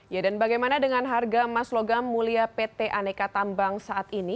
ya dan bagaimana dengan harga emas logam mulia pt aneka tambang saat ini